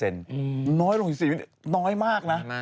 น้อยลงกว่า๖๔น้อยมากนะ